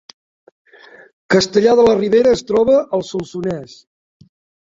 Castellar de la Ribera es troba al Solsonès